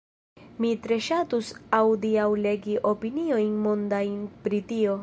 Mi tre ŝatus aŭdi aŭ legi opiniojn mondajn pri tio...